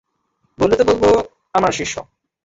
বললে তো বলব, আমার শিষ্য।